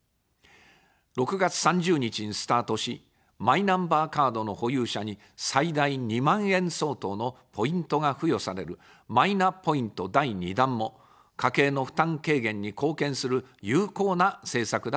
６月３０日にスタートし、マイナンバーカードの保有者に最大２万円相当のポイントが付与される、マイナポイント第２弾も家計の負担軽減に貢献する有効な政策だと考えます。